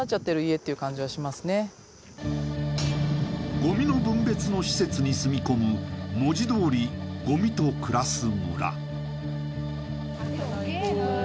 ごみの分別の施設に住み込む文字どおり、ごみと暮らす村。